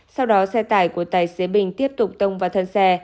sau đó xe tải của tài xế bình tiếp tục tông vào thân xe